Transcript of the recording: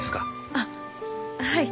あっはい。